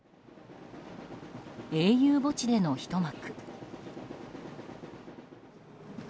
英雄墓地での、ひと幕。